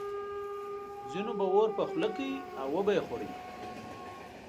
ځینو به اور په خوله کړ او وبه یې خوړ.